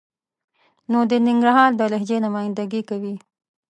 نو د ننګرهار د لهجې نماینده ګي کوي.